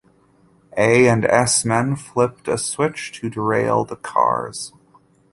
A and S men flipped a switch to derail the cars.